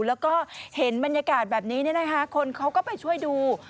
แล้วก็เห็นบรรยากาศแบบนี้คนเขาก็ไปช่วยดู